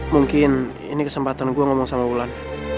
mungkin ini kesempatan gue ngomong sama wulan